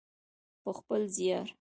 په خپل زیار.